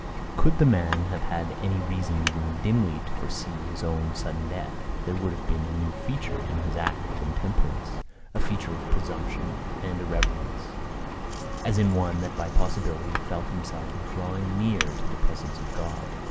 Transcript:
Could the man have had any reason even dimly to foresee his own sudden death, there would have been a new feature in his act of intemperance a feature of presumption and irreverence, as in one that by possibility felt himself drawing near to the presence of God.